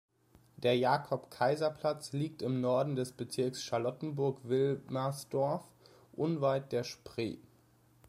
Der Jakob-Kaiser-Platz liegt im Norden des Bezirks Charlottenburg-Wilmersdorf unweit der Spree.